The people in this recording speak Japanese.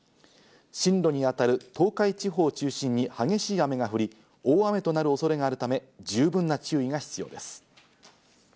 進路に当たる東海地方を中心に激しい雨が降り、大雨となる恐れがあるため十分な注意が必要です。